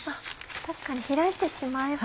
確かに開いてしまえば。